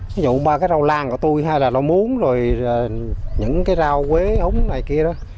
ví dụ ba cái rau lan của tôi hay là rau muốn rồi những cái rau quế ống này kia đó